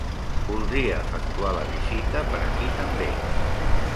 Voldria efectuar la visita per aquí també.